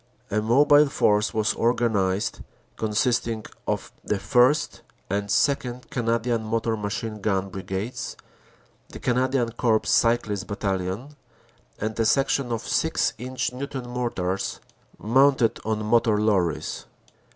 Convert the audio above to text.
A mobile force was organized consisting of the 1st. and 2nd. Canadian Motor Machine Gun Brigades, the Canadian Corps Cyclist Battalion, and a section of 6 inch Newton Mortars mounted on motor lorries.